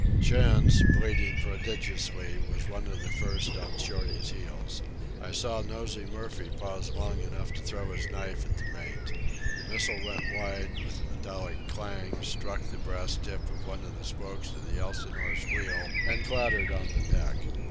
Chantz, bleeding prodigiously, was one of the first on Shorty's heels. I saw Nosey Murphy pause long enough to throw his knife at the mate. The missile went wide, with a metallic clang struck the brass tip of one of the spokes of the Elsinore's wheel, and clattered on the deck.